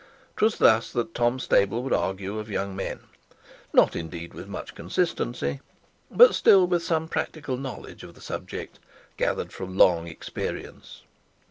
'Twas thus that Tom Staple would argue of young men; not, indeed, with much consistency, but still with some practical knowledge of the subject gathered from long experience.